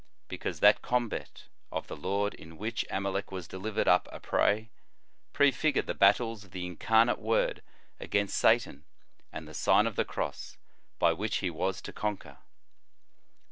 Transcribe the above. Because that combat of the Lord in which Amalec was delivered up a prey, prefigured the battles of the Incarnate Word against Satan, and the Sign of the Cross, by which He was to conquer.